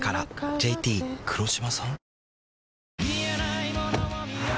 ＪＴ黒島さん？